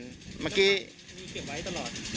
น้ำมันมีเก็บไว้ตลอด